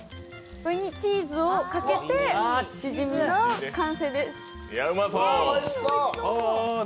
それにチーズをかけて完成です。